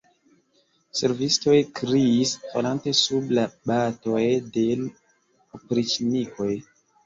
Servistoj kriis, falante sub la batoj de l' opriĉnikoj.